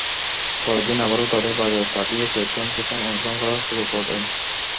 পরের দিন আবারও তাদের বাজারে পাঠিয়ে পেছন পেছন অনুসরণ করা শুরু করেন।